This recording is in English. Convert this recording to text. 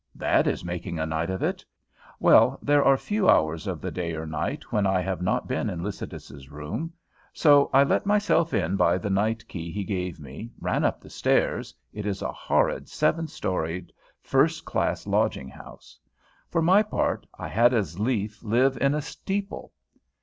That is making a night of it! Well, there are few hours of the day or night when I have not been in Lycidas's room, so I let myself in by the night key he gave me, ran up the stairs, it is a horrid seven storied, first class lodging house. For my part, I had as lief live in a steeple.